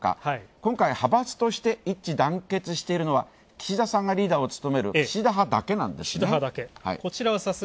今回、派閥として一致団結しているのは岸田さんがリーダーを務める岸田派だけなんですね。